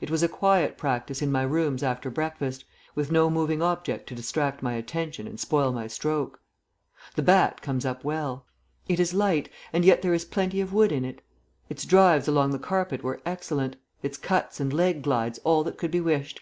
It was a quiet practice in my rooms after breakfast, with no moving object to distract my attention and spoil my stroke. The bat comes up well. It is light, and yet there is plenty of wood in it. Its drives along the carpet were excellent; its cuts and leg glides all that could be wished.